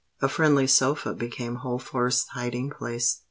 A friendly sofa became Holford's hiding place.